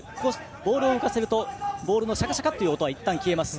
ボールを浮かせるとボールのシャカシャカという音がいったん消えます。